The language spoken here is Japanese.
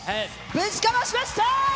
ぶちかましました！